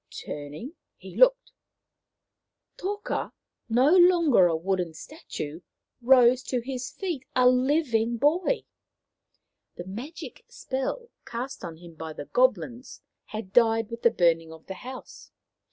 Turning, he looked. Toka, no longer a wooden statue, rose to his feet a living boy ! The magic spell cast on him by the Goblins had died with the burning of the house.